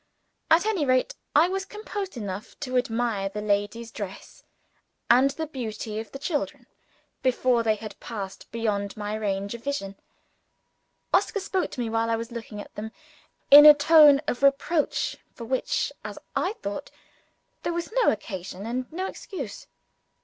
At any rate, I was composed enough to admire the lady's dress, and the beauty of the children, before they had passed beyond my range of view. Oscar spoke to me, while I was looking at them, in a tone of reproach for which, as I thought, there was no occasion and no excuse.